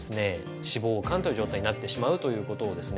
脂肪肝という状態になってしまうということをですね